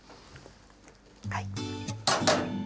はい。